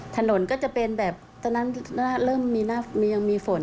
ถนนก็จะเป็นแบบตอนนั้นเริ่มมีหน้ายังมีฝน